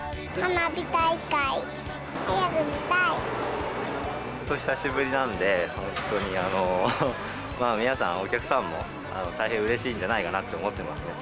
本当、久しぶりなんで、本当に皆さん、お客さんも大変うれしいんじゃないかなって思ってますね。